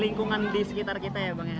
lingkungan di sekitar kita ya bang ya